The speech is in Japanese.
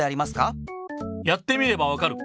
やってみればわかる。